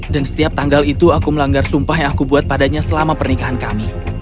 dan setiap tanggal itu aku melanggar sumpah yang aku buat padanya selama pernikahan kami